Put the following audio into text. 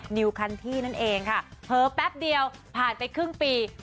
นิวคันที่นั่นเองค่ะเผลอแป๊บเดียวผ่านไปครึ่งปี